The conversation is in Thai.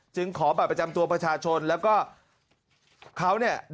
ขอบัตรประจำตัวประชาชนแล้วก็เขาเนี่ย